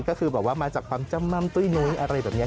ก็คือมาจากความจำมัมตุ้ยนุ้ย